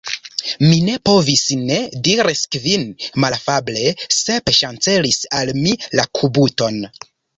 "Mi ne povis ne," diris Kvin malafable. "Sep ŝancelis al mi la kubuton."